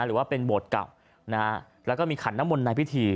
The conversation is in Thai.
หรือว่าเป็นบทกลับนะแล้วก็มีขันน้ำมนต์ในพิธี